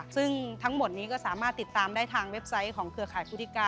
ซึ่งทั้งหมดนี้ก็สามารถติดตามได้ทางเว็บไซต์ของเครือข่ายคู่ที่๙